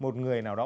một người nào đó